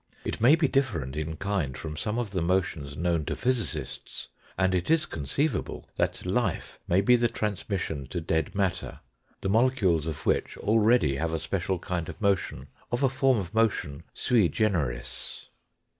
It may be different in kind from some of the motions known to physicists, and it is conceivable that life may be the transmission to dead matter, the molecules of which have already a special kind of motion, of a form of motion sui generis."